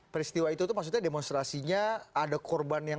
peristiwa itu tuh maksudnya demonstrasinya ada korban yang